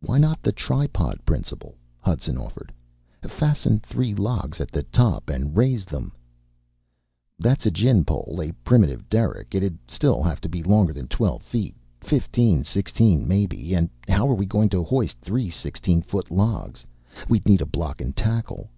"Why not the tripod principle?" Hudson offered. "Fasten three logs at the top and raise them." "That's a gin pole, a primitive derrick. It'd still have to be longer than twelve feet. Fifteen, sixteen, maybe. And how are we going to hoist three sixteen foot logs? We'd need a block and tackle."